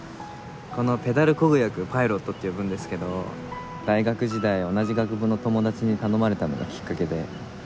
このペダル漕ぐ役パイロットって呼ぶんですけど大学時代同じ学部の友達に頼まれたのがきっかけで。